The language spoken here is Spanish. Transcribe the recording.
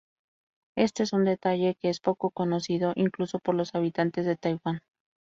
Este es un detalle que es poco conocido incluso por los habitantes de Taiwán.